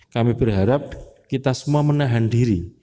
kami berharap kita semua menahan diri